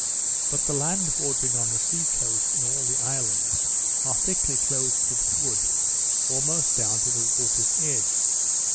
But the land bordering on the sea coast, and all the islands, are thickly clothed with wood, almost down to the water's edge.